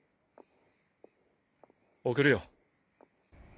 送るよ。